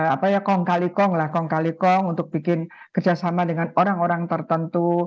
apa ya kong kali kong lah kong kali kong untuk bikin kerjasama dengan orang orang tertentu